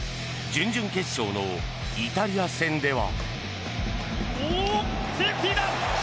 準々決勝のイタリア戦では。